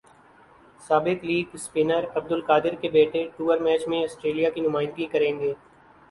سابق leg spinner Abdul Qadir کے بیٹے ٹورمیچ میں اسٹریلیا کی نمائندگی کریں گے